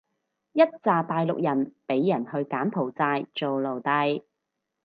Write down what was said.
一柞大陸人畀人去柬埔寨做奴隸